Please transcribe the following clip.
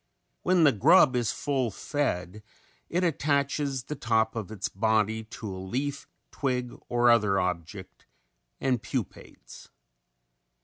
When the grub is full fed it attaches the top of its body to a leaf, twig or other object and pupates.